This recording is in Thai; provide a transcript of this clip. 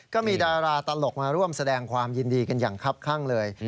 ก็มีดาราตลกมาร่วมแสดงความยินดีกันอย่างคับข้างเลย